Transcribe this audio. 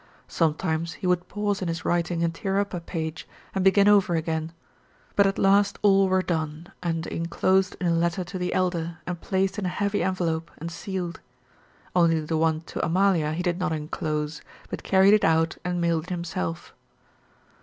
Sometimes he would pause in his writing and tear up a page, and begin over again, but at last all were done and inclosed in a letter to the Elder and placed in a heavy envelope and sealed. Only the one to Amalia he did not inclose, but carried it out and mailed it himself.